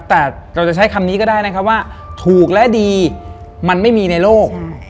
แต่เราจะใช้คำนี้ก็ได้นะครับว่าถูกและดีมันไม่มีในโลก